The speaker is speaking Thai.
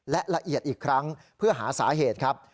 และละเอียดอีกครั้งเพื่อหาสาเหตุครับ